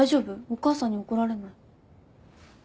お母さんに怒られない？